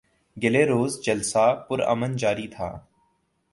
گلے روز جلسہ پر امن جاری تھا